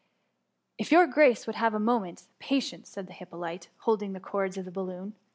^'^* If your grace would have a moment's pa tience,^ said Hyppolite, holding the cords of the balloon.